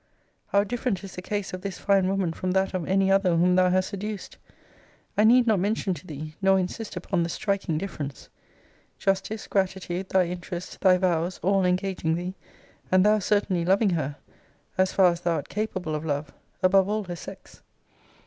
How different is the case of this fine woman from that of any other whom thou hast seduced! I need not mention to thee, nor insist upon the striking difference: justice, gratitude, thy interest, thy vows, all engaging thee; and thou certainly loving her, as far as thou art capable of love, above all her sex.